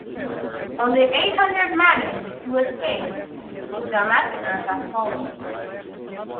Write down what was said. Only eight hundred managed to escape the massacre that followed.